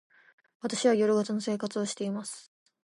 私は夜型の生活をしています。